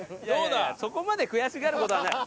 そこまで悔しがる事はない。